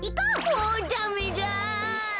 もうダメだ！